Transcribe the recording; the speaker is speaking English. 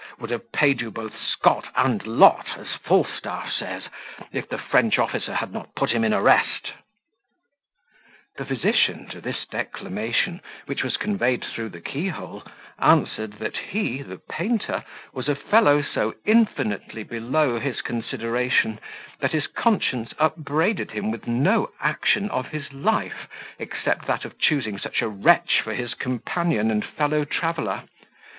would have paid you both Scot and lot, as Falstaff says, if the French officer had not put him in arrest." The physician, to this declamation, which was conveyed through the key hole, answered, that he (the painter) was a fellow so infinitely below his consideration, that his conscience upbraided him with no action of his life, except that of choosing such a wretch for his companion and fellow traveller.